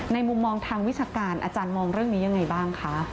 มุมมองทางวิชาการอาจารย์มองเรื่องนี้ยังไงบ้างคะ